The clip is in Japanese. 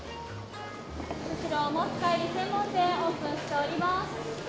こちら、スシローお持ち帰り専門店、オープンしております。